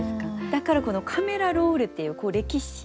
だからこのカメラロールっていう歴史。